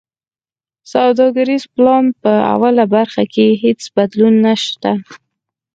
د سوداګریز پلان په اوله برخه کی هیڅ بدلون نشته.